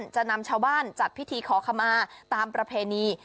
จะนำชาวบ้านจัดพิธีขอขมาตามประเพณี